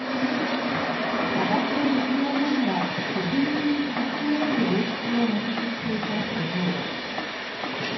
課題と向き合いながら、国民に親しまれる王室を模索していた女王。